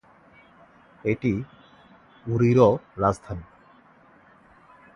এটি উরিরও রাজধানী।